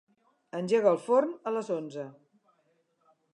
Engega el forn a les onze.